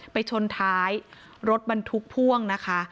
ไปชนท้ายรถบรรทุกพ่วงนะคะ